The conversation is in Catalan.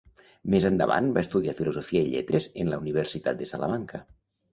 Més endavant va estudiar Filosofia i Lletres en la Universitat de Salamanca.